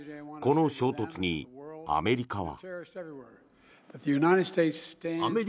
この衝突にアメリカは。